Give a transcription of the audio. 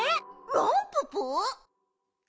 ランププ！？